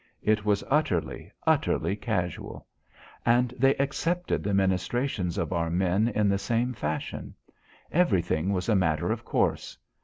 It was utterly, utterly casual. And they accepted the ministrations of our men in the same fashion. Everything was a matter of course.